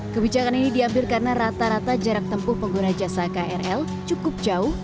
kebijakan ini diambil karena rata rata jarak tempuh pengguna jasa krl cukup jauh